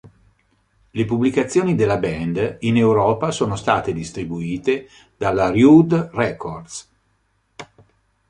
Le pubblicazioni della band in Europa sono state distribuite dalla Rude Records.